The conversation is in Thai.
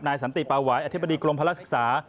สันติปาหวายอธิบดีกรมภาระศึกษา